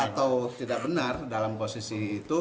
atau tidak benar dalam posisi itu